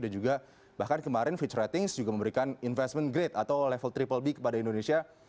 dan juga bahkan kemarin fitch ratings juga memberikan investment grade atau level triple b kepada indonesia